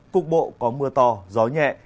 cục bộ có mưa to gió nhẹ